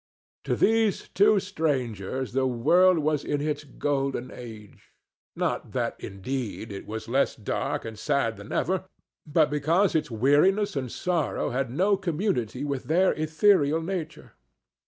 To these two strangers the world was in its Golden Age—not that, indeed, it was less dark and sad than ever, but because its weariness and sorrow had no community with their ethereal nature.